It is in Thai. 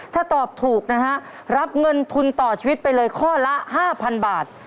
ถ้าตอบถูกนะฮะรับเงินทุนต่อชีวิตไปเลยข้อละ๕๐๐๐บาท